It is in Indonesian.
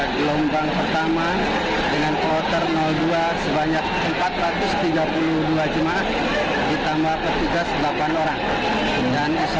gelombang pertama dengan kloter dua sebanyak empat ratus tiga puluh dua jemaah ditambah petugas delapan orang